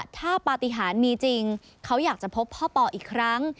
ถ้าปฏิหารมีจริงเขาอยากจะพบพ่อปออีกครั้ง